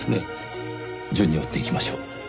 順に追っていきましょう。